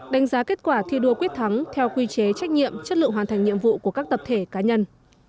đánh giá kết quả thi đua quyết thắng theo quy chế trách nhiệm chất lượng hoàn thành nhiệm vụ của các tập thể cá nhân